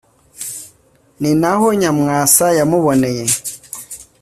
Ni na ho Nyamwasa yamuboneye